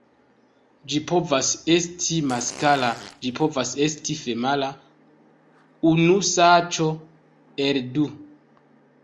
Ĝi povas esti maskla, ĝi povas esti femala: unu ŝanco el du.